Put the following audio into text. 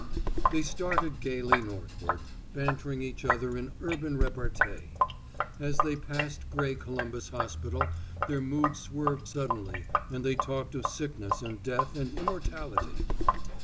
They started gayly northward, bantering each other in urban repartee. As they passed gray Columbus Hospital their mood swerved suddenly and they talked of sickness and death and immortality.